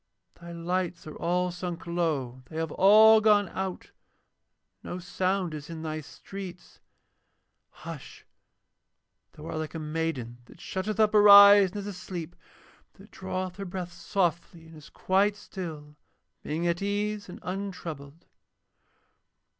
Thy lights are all sunk low, they have all gone out, no sound is in thy streets. Hush! Thou art like a maiden that shutteth up her eyes and is asleep, that draweth her breath softly and is quite still, being at ease and untroubled.